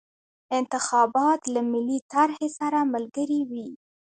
انتخابات له ملي طرحې سره ملګري وي.